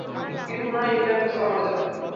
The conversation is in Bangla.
তিনি পুনরায় ইংল্যান্ড সফরে যান।